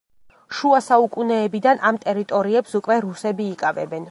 შუა საუკუნეებიდან ამ ტერიტორიებს უკვე რუსები იკავებენ.